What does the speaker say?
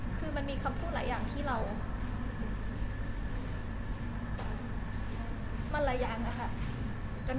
คือมันมีคำพูดหลายอย่างที่มันระย่างนะคะ